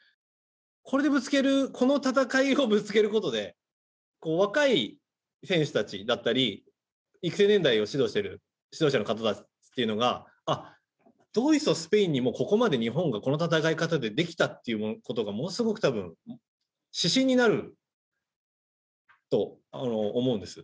これでぶつけるこの戦いをぶつけることで若い選手たちだったり育成年代を指導している指導者の方たちっていうのがドイツとスペインにもここまで日本がこの戦い方でできたっていうことがものすごく多分指針になると思うんです。